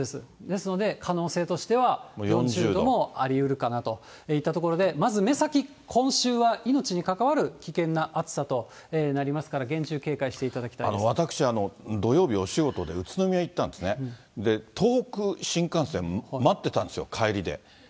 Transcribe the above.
ですので、可能性としては４０度もありうるかなといったところで、まず目先、今週は命にかかわる危険な暑さとなりますから、厳重警戒していた私、土曜日お仕事で宇都宮行ったんですね、東北新幹線、待ってたんですよ、帰りで。